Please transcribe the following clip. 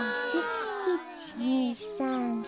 １２３４。